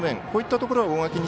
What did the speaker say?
こういったところ大垣